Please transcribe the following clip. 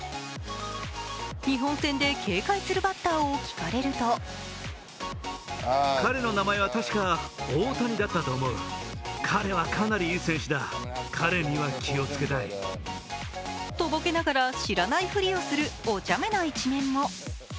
日本戦で警戒するバッターを聞かれるととぼけながら知らないふりをするおちゃめな一面も。